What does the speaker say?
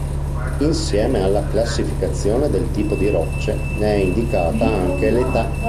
Insieme alla classificazione del tipo di rocce, ne è indicata anche l'età.